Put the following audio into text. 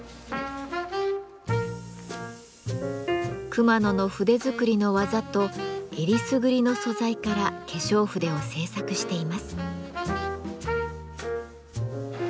熊野の筆作りの技とえりすぐりの素材から化粧筆を製作しています。